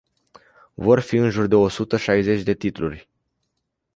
Vor fi în jur de o sută șaizeci de titluri.